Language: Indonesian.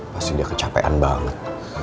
pasti dia kecapean banget